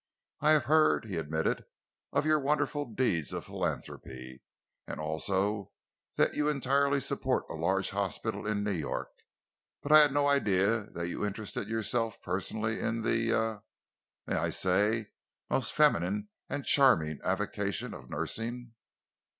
"I have heard," he admitted, "of your wonderful deeds of philanthropy, also that you entirely support a large hospital in New York, but I had no idea that you interested yourself personally in the er may I say most feminine and charming avocation of nursing?"